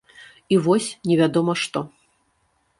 І вось, невядома што.